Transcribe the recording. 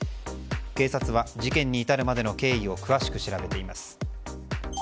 警察は、事件に至るまでの経緯を詳しく調べています。